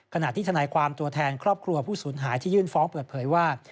ขณะที่ทนายความตัวแทนครอบครัวผู้สูญหายที่ยื่นฟ้องเปิดเผยว่า